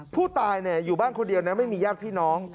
ผู้ตายอยู่บ้านคนเดียวนะไม่มีญาติพี่น้อง